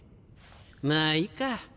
まぁいいか。